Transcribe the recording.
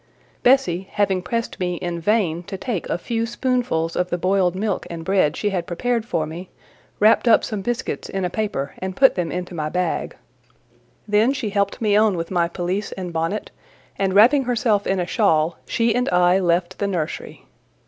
Bessie, having pressed me in vain to take a few spoonfuls of the boiled milk and bread she had prepared for me, wrapped up some biscuits in a paper and put them into my bag; then she helped me on with my pelisse and bonnet, and wrapping herself in a shawl, she and I left the nursery.